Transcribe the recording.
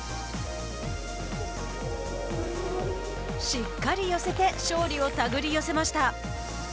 しっかり寄せて勝利を手繰り寄せました。